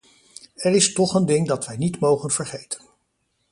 Er is toch een ding dat wij niet mogen vergeten.